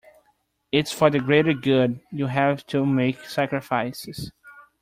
It’s for the greater good, you have to make sacrifices.